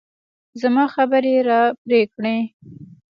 زما خبرې يې راپرې کړې.